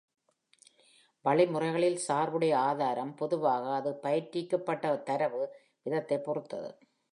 வழிமுறைகளில் சார்புடைய ஆதாரம் பொதுவாக அது பயிற்றுவிக்கப்பட்ட தரவு விதத்தைப் பொறுத்தது.